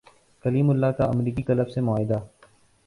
کلیم اللہ کا امریکی کلب سے معاہدہ